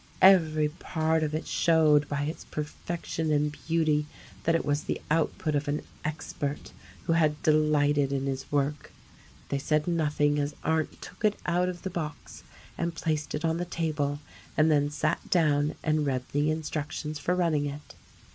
Every part of it showed by its perfection and beauty that it was the output of an expert who had delighted in his work. They said nothing as Arndt took it out of the box and placed it on the table and then sat down and read the instructions for running it.